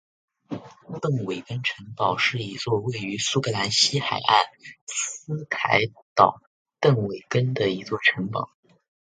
邓韦根城堡是一座位于苏格兰西海岸斯凯岛邓韦根的一座城堡。